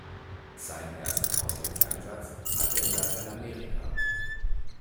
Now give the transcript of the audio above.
Seinen ersten Auslandseinsatz hat er in Lateinamerika.